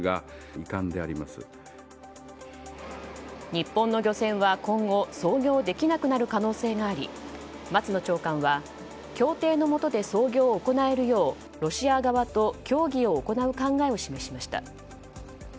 日本の漁船は、今後操業できなくなる可能性があり松野長官は、協定のもとで操業を行えるようロシア側と協議を行う考えを示しました。